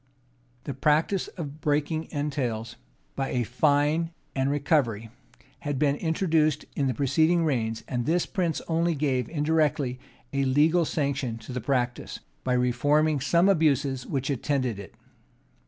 The practice of breaking entails by a fine and recovery, had been introduced in the preceding reigns; and this prince only gave indirectly a legal sanction to the practice, by reforming some abuses which attended it.